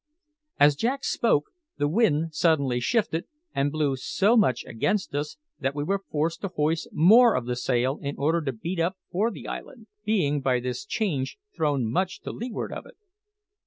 As Jack spoke, the wind suddenly shifted and blew so much against us that we were forced to hoist more of the sail in order to beat up for the island, being by this change thrown much to leeward of it.